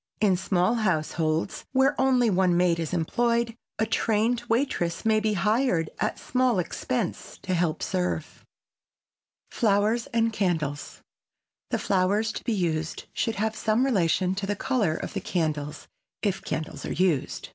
In small households where only one maid is employed, a trained waitress may be hired at small expense to help serve. [Sidenote: FLOWERS AND CANDLES] The flowers to be used should have some relation to the color of the candles if candles are used.